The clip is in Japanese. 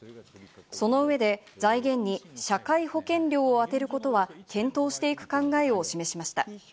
その上で財源に社会保険料を充てることは検討していく考えを示しました。